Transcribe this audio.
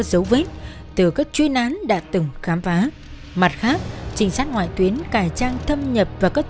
di biến động của đối tượng